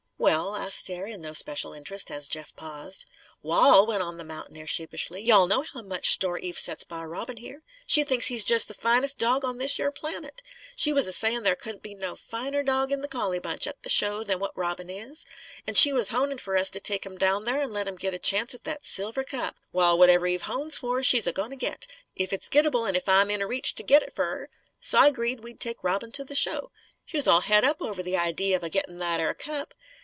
"Well?" asked Stair, in no special interest, as Jeff paused. "Wal," went on the mountaineer sheepishly, "you all know how much store Eve sets by Robin, here. She thinks he's jest the finest dawg on this yer planet. She was a sayin' there couldn't be no finer dawg in the collie bunch, at the show, than what Robin is. An' she was honin' fer us to take him down there an' let him git a chance at that silver cup. Wal, whatever Eve hones fer, she's a goin' to git if it's gittable an' if I'm in reach to git it fer her. So I 'greed we'd take Robin to the show. She was all het up over the idee of a gittin' that 'ere cup.